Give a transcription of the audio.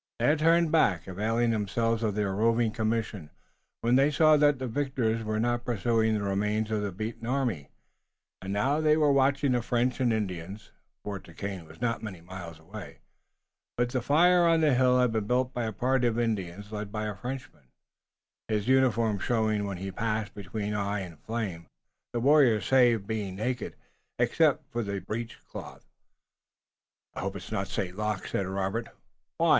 They had turned back, availing themselves of their roving commission, when they saw that the victors were not pursuing the remains of the beaten army, and now they were watching the French and Indians. Fort Duquesne was not many miles away, but the fire on the hill had been built by a party of Indians led by a Frenchman, his uniform showing when he passed between eye and flame, the warriors being naked save for the breech cloth. "I hope it's not St. Luc," said Robert. "Why?"